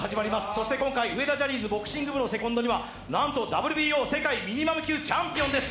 そして今回、上田ジャニーズボクシング部にはセコンドとして、なんとＷＢＯ世界ミニマム級チャンピオンです